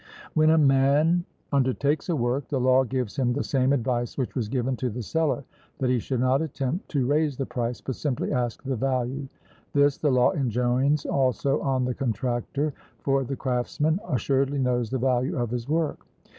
When a man undertakes a work, the law gives him the same advice which was given to the seller, that he should not attempt to raise the price, but simply ask the value; this the law enjoins also on the contractor; for the craftsman assuredly knows the value of his work.